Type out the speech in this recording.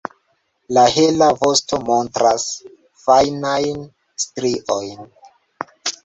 La hela vosto montras fajnajn striojn.